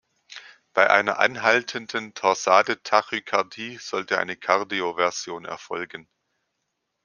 Bei einer anhaltenden Torsade-Tachykardie sollte eine Kardioversion erfolgen.